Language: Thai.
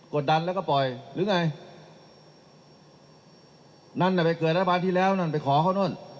ดันแล้วก็ปล่อยหรือไงนั่นน่ะไปเกิดรัฐบาลที่แล้วนั่นไปขอเขานู่น